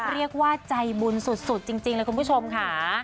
เรียกว่าใจบุญสุดจริงเลยคุณผู้ชมค่ะ